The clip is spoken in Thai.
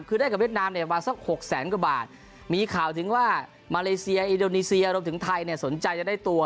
คือได้กับเวียดนามเนี่ยประมาณสักหกแสนกว่าบาทมีข่าวถึงว่ามาเลเซียอินโดนีเซียรวมถึงไทยเนี่ยสนใจจะได้ตัว